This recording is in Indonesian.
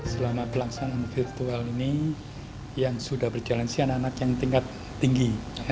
selama pelaksanaan virtual ini yang sudah berjalan si anak anak yang tingkat tinggi